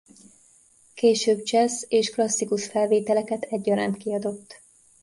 Később dzsessz- és klasszikus felvételeket egyaránt kiadott.